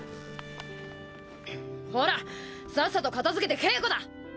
ほらさっさと片付けて稽古だ！